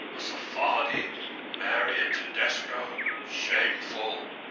A Sephardi marry a Tedesco ! Shameful."